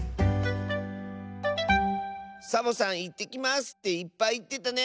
サボさん「いってきます」っていっぱいいってたね。